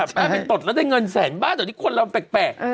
เราตดแล้วได้เงินแสนบาทแต่เดี๋ยวดิคนเราแปลก